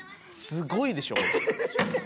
すごいでしょ。